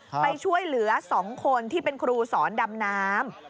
ไปช่วยเหลือ๒คนที่เป็นครูสอนดำน้ำ